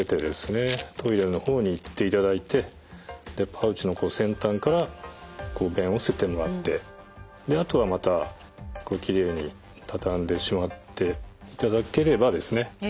トイレの方に行っていただいてパウチの先端から便を捨ててもらってあとはまたきれいに畳んでしまっていただければですね